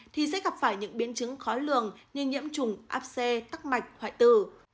thì sẽ gặp phải những biến chứng khói lường như nhiễm trùng áp xê tắc mạch hoại tử